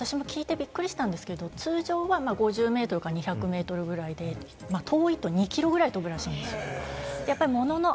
私も聞いてびっくりしたんですが、通常は５０ｍから２００ｍで遠いと２ｋｍくらい飛ぶんですよ。